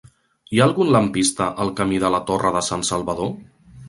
Hi ha algun lampista al camí de la Torre de Sansalvador?